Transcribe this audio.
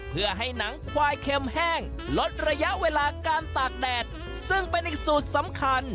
เพื่อให้หนังควายเค็มแห้งลดระยะเวลาการตากแดดซึ่งเป็นอีกสูตรสำคัญ